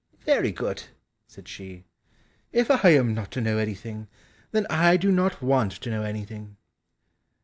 "Very good," said she, "if I am not to know anything, then I do not want to know anything."